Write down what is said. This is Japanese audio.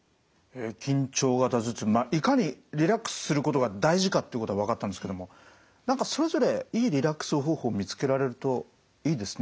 緊張型頭痛いかにリラックスすることが大事かっていうことは分かったんですけども何かそれぞれいいリラックス方法見つけられるといいですね。